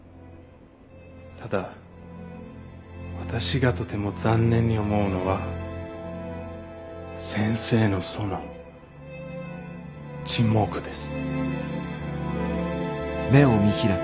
ただ私がとても残念に思うのは先生のその沈黙です。